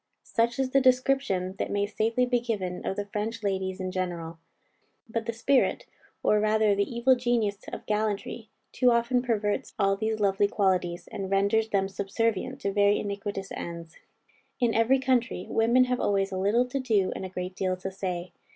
Such is the description that may safely be given of the French ladies in general. But the spirit, or rather the evil genius of gallantry, too often perverts all these lovely qualities, and renders them subservient to very iniquitous ends. In every country, women have always a little to do, and a great deal to say.